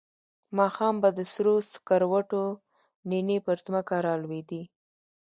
ماښام به د سرو سکروټو نینې پر ځمکه را لوېدې.